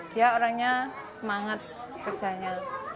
dia orangnya semangat kerjanya